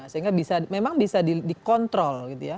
sehingga memang bisa dikontrol